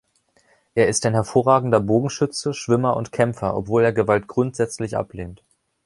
Er ist ein hervorragender Bogenschütze, Schwimmer und Kämpfer, obwohl er Gewalt grundsätzlich ablehnt.